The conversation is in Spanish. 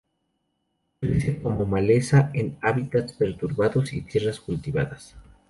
Crece como maleza en hábitats perturbados y tierras cultivadas.